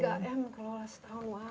tiga m kelola setahun